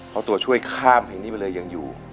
เพราะตัวช่วยข้ามเพลงนี้ไปเลยยังอยู่